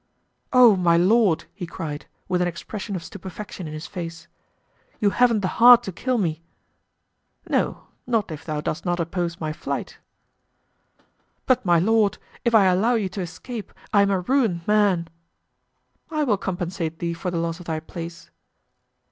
"Oh, my lord," he cried, with an expression of stupefaction in his face; "you haven't the heart to kill me!" "No; not if thou dost not oppose my flight." "But, my lord, if I allow you to escape I am a ruined man." "I will compensate thee for the loss of thy place."